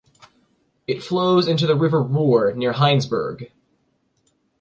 It flows into the River Rur near Heinsberg.